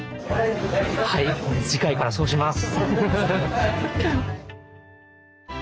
はい次回からそうします！